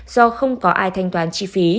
do không có ai thanh toán chi phí